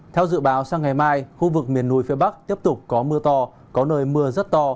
theo dự báo sang ngày mai khu vực miền núi phía bắc tiếp tục có mưa to có nơi mưa rất to